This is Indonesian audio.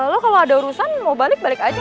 lo kalau ada urusan mau balik balik aja